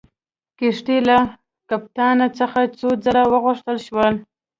د کښتۍ له کپټان څخه څو ځله وغوښتل شول.